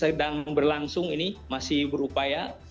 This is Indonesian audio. sedang berlangsung ini masih berupaya